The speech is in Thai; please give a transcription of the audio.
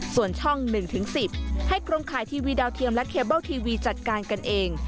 ส่วนช่อง๑๑๐ให้โครงข่ายทีวีดาวเทียมและเคเบิลทีวีจัดการกันเอง